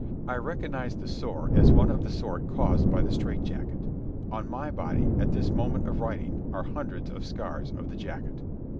I recognized the sore as one of the sort caused by the strait jacket. On my body, at this moment of writing, are hundreds of scars of the jacket.